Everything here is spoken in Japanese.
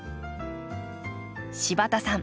柴田さん